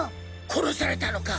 殺されたのか？